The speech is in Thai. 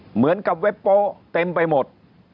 เหมือนกับเว็บโป๊เต็มไปหมด